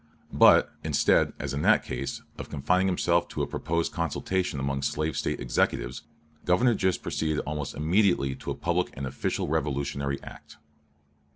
But, instead, as in that case, of confining himself to a proposed consultation among slave State executives, Governor Gist proceeded almost immediately to a public and official revolutionary act.